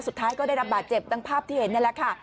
สุดท้ายก็ได้รับบาดเจ็บดังภาพที่เห็นนี่แหละค่ะ